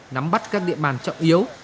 nắm bắt các điện bàn trọng yếu